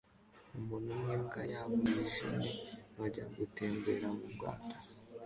Umuntu n'imbwa yabo yijimye bajya gutembera mubwato